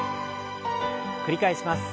繰り返します。